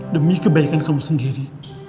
demi kebaikan kamu sendiri